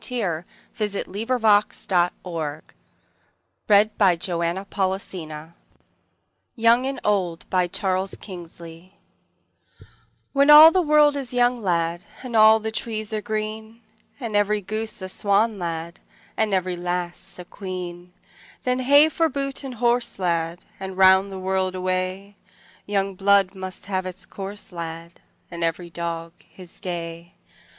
E F . G H . I J . K L . M N . O P . Q R . S T . U V . W X . Y Z Young and Old from The Water Babies WHEN all the world is young, lad, And all the trees are green; And every goose a swan, lad, And every lass a queen; Then hey for boot and horse, lad, And round the world away; Young blood must have its course, lad, And every dog his day.